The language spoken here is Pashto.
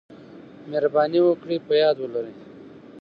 مهرباني وکړئ په یاد ولرئ: